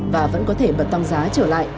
và vẫn có thể bật tăng giá trở lại